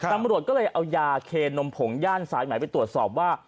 ตำรวจก็เลยเอายาเคนมผงย่านสายไหมไปตรวจสอบว่า